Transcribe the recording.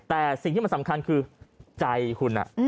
แต่สิ่งที่มันสำคัญคือใจคุณ